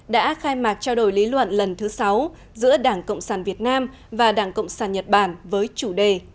đã khai mạc trao đổi lý luận lần thứ sáu giữa đảng cộng sản việt nam và đảng cộng sản nhật bản với chủ đề